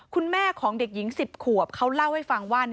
คุณแม่ของเด็กหญิง๑๐ขวบเขาเล่าให้ฟังว่า